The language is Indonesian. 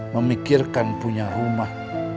memikirkan punya rumah